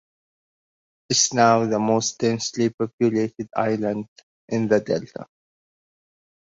It is now the most densely populated island in the delta.